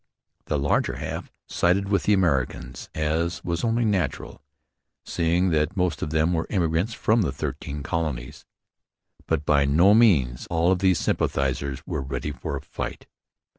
The larger half sided with the Americans, as was only natural, seeing that most of them were immigrants from the Thirteen Colonies. But by no means all these sympathizers were ready for a fight.